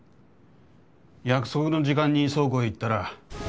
約束の時間に倉庫へ行ったら。